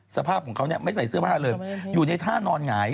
สภาพของเขาเนี่ยไม่ใส่เสื้อผ้าเลยอยู่ในท่านอนหงาย